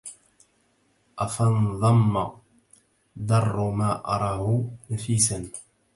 أفنظم در ما أره نفيسا